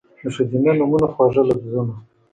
د ښځېنه نومونو، خواږه لفظونه